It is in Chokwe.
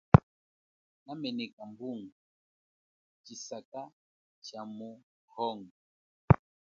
Nameneka bunga tshisaka cha mu Congo.